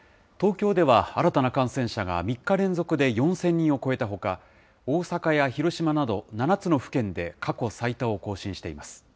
東京では新たな感染者が３日連続で４０００人を超えたほか、大阪や広島など、７つの府県で過去最多を更新しています。